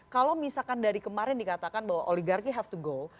kalau misalkan dari kemarin dikatakan bahwa oligarki have to go